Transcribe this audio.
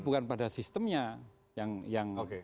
bukan pada sistemnya yang